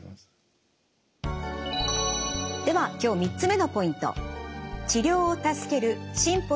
では今日３つ目のポイント。